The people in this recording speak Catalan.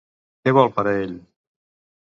Què vol per a ell?